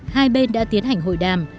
hai bên đã tiến hành hội đàm